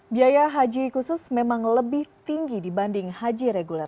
biaya haji khusus memang lebih tinggi dibanding haji reguler